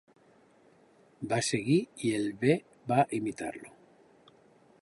Va seguir i el bé va imitar-lo